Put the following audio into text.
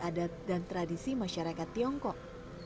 adat dan tradisi masyarakat tiongkok